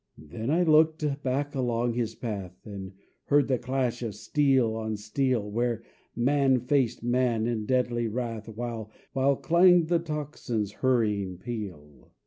Then I looked back along his path, And heard the clash of steel on steel, Where man faced man, in deadly wrath, While clanged the tocsin's hurrying peal.